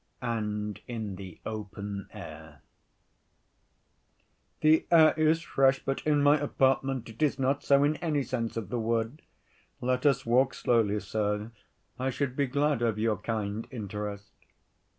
And In The Open Air "The air is fresh, but in my apartment it is not so in any sense of the word. Let us walk slowly, sir. I should be glad of your kind interest."